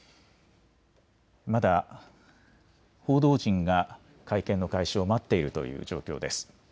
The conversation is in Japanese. まだ報道陣が会見の開始を待っているという状況です。